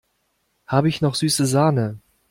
Habe ich noch süße Sahne?